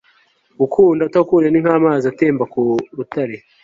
gukunda utagukunda ni nk'amazi atemba ku rutare